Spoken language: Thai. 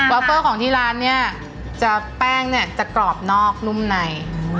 เฟอร์ของที่ร้านเนี่ยจะแป้งเนี่ยจะกรอบนอกนุ่มใน